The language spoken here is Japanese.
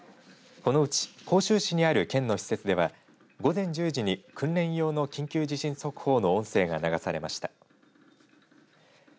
このうち甲州市にある県の施設では午前１０時に訓練用の緊急地震速報の音声が流されました。